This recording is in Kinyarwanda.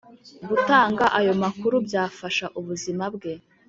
gutanga ayo makuru byafasha ubuzima bwe